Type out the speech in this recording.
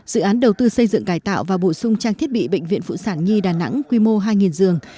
dự án đầu tư xây dựng cải tạo và bổ sung trang thiết bị bệnh viện phụ sản nhi đà nẵng quy mô hai giường